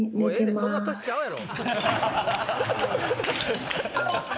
そんな年ちゃうやろ！